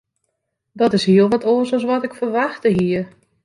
Dat is hiel wat oars as wat ik ferwachte hie.